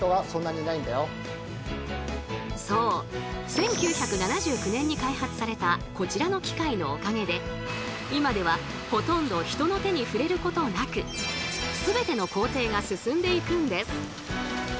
１９７９年に開発されたこちらの機械のおかげで今ではほとんど人の手に触れることなくすべての工程が進んでいくんです。